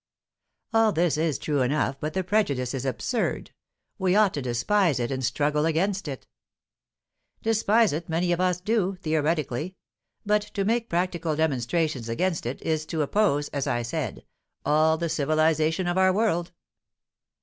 "All this is true enough, but the prejudice is absurd. We ought to despise it and struggle against it." "Despise it, many of us do, theoretically. But to make practical demonstrations against it, is to oppose, as I said, all the civilization of our world.